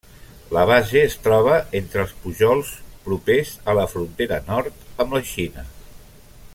La base es troba entre els pujols propers a la frontera nord amb la Xina.